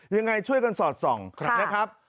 ยังไงช่วยกันสอดส่องนะครับ